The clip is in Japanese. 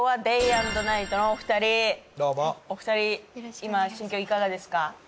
お二人今心境いかがですか？